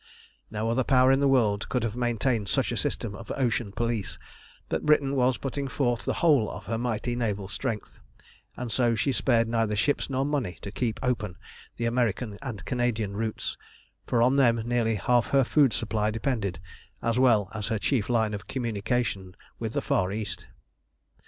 No other Power in the world could have maintained such a system of ocean police, but Britain was putting forth the whole of her mighty naval strength, and so she spared neither ships nor money to keep open the American and Canadian routes, for on them nearly half her food supply depended, as well as her chief line of communication with the far East.